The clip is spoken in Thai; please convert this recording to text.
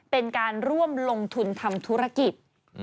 เป็นการร่วมลงทุนทำธุรกิจ